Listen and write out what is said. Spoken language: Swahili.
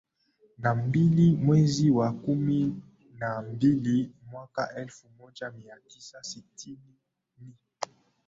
na mbili mwezi wa kumi na mbili mwaka elfu moja mia tisa sitini ni